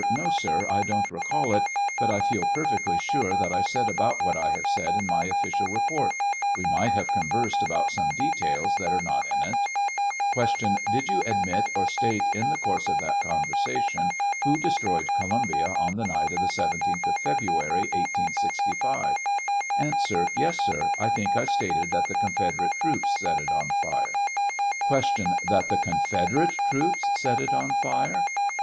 No, sir; I don't recall it; but I feel perfectly sur^ that I said about what I have said in my official report ; we might have conversed about some details that are not in it. Q. Did you admit or state, in the course of that con versation, who destroyed Columbia on the night of the 17th of February, 1865 ? A. Yes, sir; I think I stated that the Confederate troops set it on fire. 39 Q. That the Confederate troops set it on fire